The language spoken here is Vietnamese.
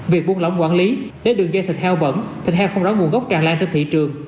việc buôn lỏng quản lý để đường dây thịt heo bẩn thịt heo không rõ nguồn gốc tràn lan trên thị trường